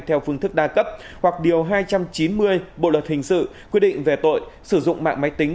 theo phương thức đa cấp hoặc điều hai trăm chín mươi bộ luật hình sự quy định về tội sử dụng mạng máy tính